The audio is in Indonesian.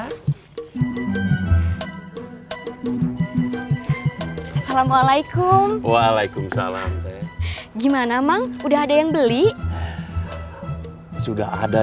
assalamualaikum waalaikumsalam gimana mang udah ada yang beli sudah ada